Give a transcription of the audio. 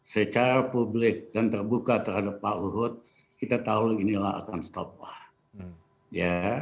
secara publik dan terbuka terhadap pak luhut kita tahu inilah akan berhenti